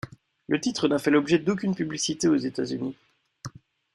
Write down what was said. Le titre n'a fait l'objet d'aucune publicité aux États-Unis.